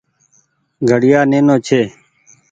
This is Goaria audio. گهڙيآ نينو ڇي۔